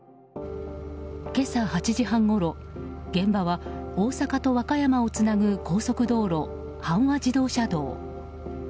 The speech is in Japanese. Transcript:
今朝８時半ごろ現場は大阪と和歌山をつなぐ高速道路、阪和自動車道。